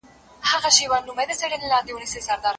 ایا تاسي د خپل کلي په کلتوري چارو کې ونډه اخلئ؟